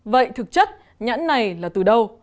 vậy thực chất nhãn này là từ đâu